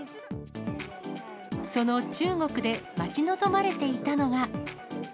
その中国で待ち望まれていたのが。